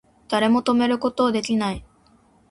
誰も止めること出来ない